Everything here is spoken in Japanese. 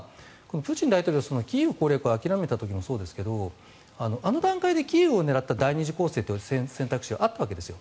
というのは、プーチン大統領キーウ攻略を諦めた時もそうですがあの段階でキーウを狙った第２次攻勢という選択もあったわけですよ。